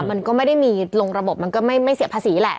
มันก็ไม่ได้มีลงระบบมันก็ไม่เสียภาษีแหละ